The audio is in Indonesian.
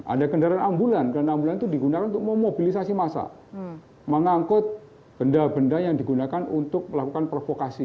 ada kendaraan ambulan dan ambulan itu digunakan untuk memobilisasi masa mengangkut benda benda yang digunakan untuk melakukan provokasi